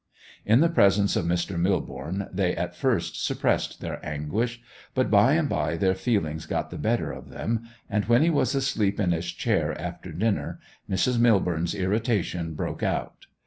In the presence of Mr. Millborne they at first suppressed their anguish. But by and by their feelings got the better of them, and when he was asleep in his chair after dinner Mrs. Millborne's irritation broke out.